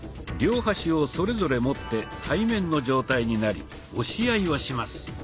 両端をそれぞれ持って対面の状態になり押し合いをします。